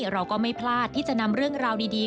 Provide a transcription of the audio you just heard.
เราก็ไม่พลาดที่จะนำเรื่องราวดี